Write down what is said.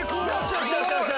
よしよし！